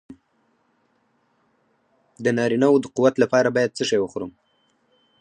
د نارینه وو د قوت لپاره باید څه شی وخورم؟